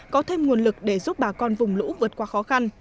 có thêm nguồn lực để giúp bà con vùng lũ vượt qua khó khăn